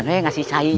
setelah kita ber yeti